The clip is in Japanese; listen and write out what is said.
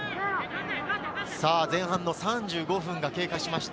前半の３５分が経過しました。